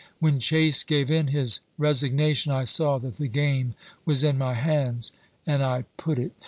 When Chase gave in his resignation I saw that the game was in my hands, and I put it through."